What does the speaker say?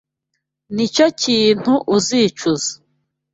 Nicyo kintu uzicuza.